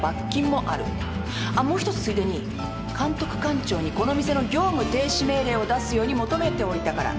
あっもう一つついでに監督官庁にこの店の業務停止命令を出すように求めておいたから。